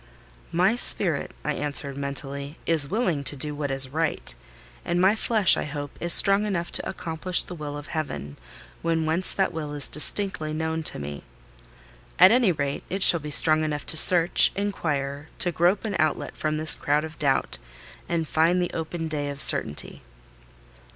"My spirit," I answered mentally, "is willing to do what is right; and my flesh, I hope, is strong enough to accomplish the will of Heaven, when once that will is distinctly known to me. At any rate, it shall be strong enough to search—inquire—to grope an outlet from this cloud of doubt, and find the open day of certainty."